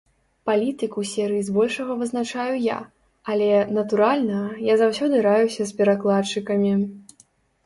Палітыку серыі збольшага вызначаю я, але, натуральна, я заўсёды раюся з перакладчыкамі.